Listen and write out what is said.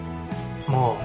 まあ。